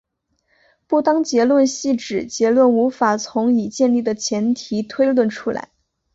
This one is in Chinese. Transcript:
不当结论系指结论无法从已建立的前提推论出来。